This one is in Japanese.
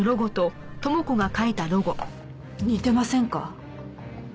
似てませんか？